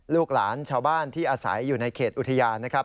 ลูกหลานชาวบ้านที่อาศัยอยู่ในเขตอุทยานนะครับ